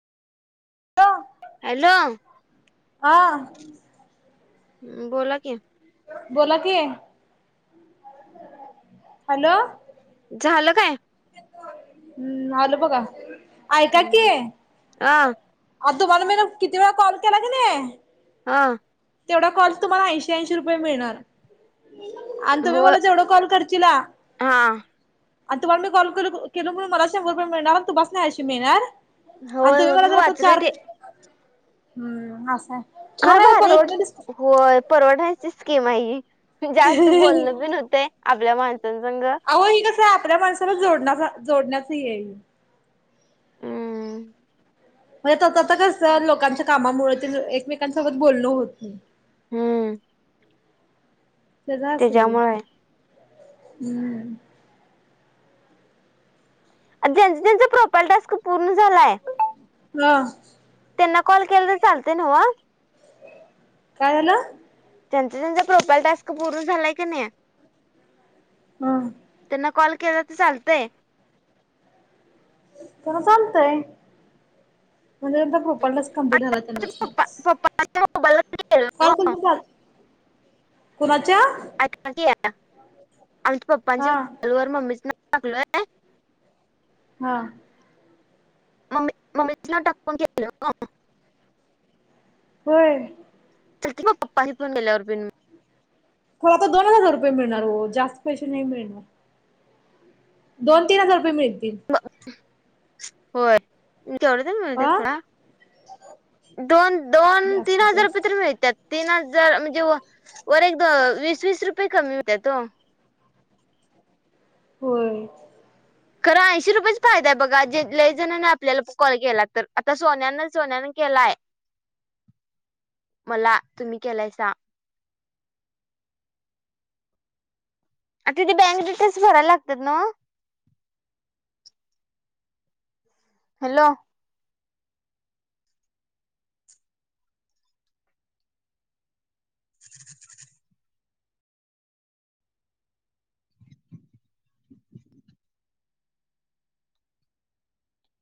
Hello hello. हा. बोला कि. बोला की हॅलो. झालं काय? हम्म, आलो बघा ऐका की. आ. आता तुम्हाला मीन किती वेळा कॉल केला की नई? हा. तेवढा कॉल तुम्हाला ऐंशी, ऐंशी रुपये मिळणार आणि तुम्ही मला जेवढा कॉल कर चीला [unintelligible] हां. आन तुम्हाला मी कॉल के केलो कणी मला शंभर रुपये मिळणार आणि तुमास्नी ऐंशी मिळनार आन होय तुमी होय मला मी जर आता वाचलोय चार ते हम्म असाय खरं भारी हाय की होय परवाडायचंच स्कीम हाय ही जास्त बोलणं बीन होतंय आपल्या माणसांसंग अहो ही कसं आपल्या माणसाला जोडण्याचा जोडण्याचं ही हाय हे हम्म म्हणजे त-त-त कस लोकांच्या कामामुळं तेन एकमेकांसोबत बोलणं होत नई हम्म त्याज असल हे त्याच्यामुळे हम्म ज्यांच ज्यांच प्रोफाइल टास्क पूर्ण झालाय हा त्यांना कॉल केला तर चालतय नव्ह? काय झालं? ज्यांचा ज्यांचा प्रोफाईल टास्क पूर्ण झालाय कनी हा त्यांना कॉल केला तर चालतंय? त्यांना चालतय म्हणजे ज्यांचा प्रोफाईल टास्क कंप्लिट झाला त्यांनाच की पप्पा [unintelligible] [inaudible] आमच्या पप्पांच्या मोबाईल काल कुणाच्या हा वर [inaudible] मम्मीचं नाव टाकलय हा मम्मी मम्मीच् नाव टाकुन केलं ओ होय चालते मंग पप्पानी फोन दिल्यावर पिन खरं आता दोन हजार रुपये मिळणार ओ जास्त पैसे नाही मिळणार दोन-तीन हजार रुपये मिळतील. होय केवढं तर मिळू दे आ सोडा दोन दोन तीन जास्तीत हजार रुपये जास्त तरी मिळत्यात. तीन हजार म्हणजे व वर एक दो वीस वीस रुपये कमी होत्यात ओ होय खरं ऐंशी रुपयेच फायदा हाय बघा जे लय जणांनी आपल्याला कॉल केला तर आता सोन्यानं सोन्यानं केलाय मला तुमी केलायसा अं तिथे बँक डिटेल्स भराय लागतात नव्ह? हॅलो [inaudible]